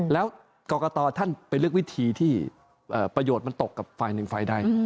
แล้วกรกตท่านไปเลือกวิธีที่ประโยชน์มันตกกับฝ่ายหนึ่งฝ่ายใด